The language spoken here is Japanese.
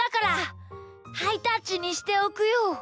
ハイタッチにしておくよ。